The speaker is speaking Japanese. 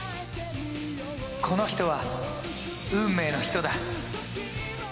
この人は運命の人だ。